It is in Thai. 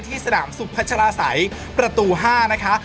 ที่สนามศุภัชราไสยประตู๕นะคะ